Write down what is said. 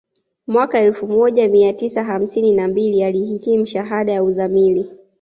Mwaka elfu moja mia tisa hamsini na mbili alihitimu shahada ya uzamili